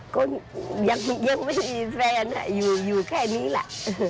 ก็ยังไม่มีแฟนอยู่แค่นี้แหละ